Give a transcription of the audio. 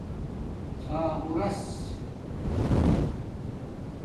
ݼاغݸراس